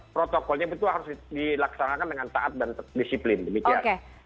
protokolnya itu harus dilaksanakan dengan taat dan disiplin demikian